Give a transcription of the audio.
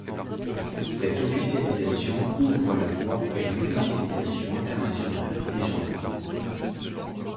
Cette officialisation ouvre la voie à une officialisation internationale déjà en cours.